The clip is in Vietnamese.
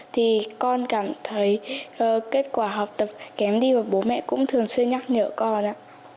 thì con cảm thấy kết quả học tập kém đi và bố mẹ cũng thường xuyên nhắc nhở con ạ